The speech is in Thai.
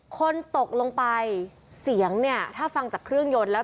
คนตกลงไปเสียงเนี่ยถ้าฟังจากเครื่องยนต์แล้ว